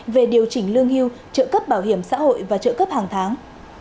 về điều chỉnh lương hưu trợ cấp bảo hiểm xã hội và trợ cấp hàng tháng